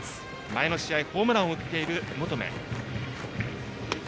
前の試合ホームランを打っている求。